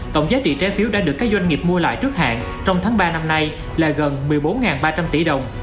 tổng giá trị trái phiếu đã được các doanh nghiệp mua lại trước hạn trong tháng ba năm nay là gần một mươi bốn ba trăm linh tỷ đồng